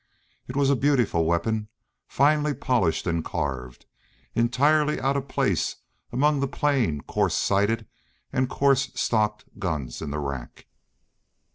It was a beautiful weapon, finely polished and carved, entirely out of place among the plain coarse sighted and coarse stocked guns in the rack.